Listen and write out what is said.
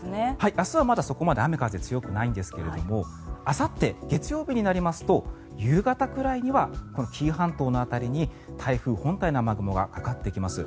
明日はまだそこまで雨風強くないんですがあさって、月曜日になりますと夕方くらいにはこの紀伊半島の辺りに台風本体の雨雲がかかってきます。